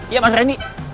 iya mas reni